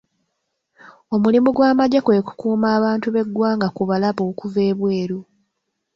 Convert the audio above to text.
Omulimu gw'amagye kwe kukuuma abantu b'eggwanga ku balabe okuva ebweru.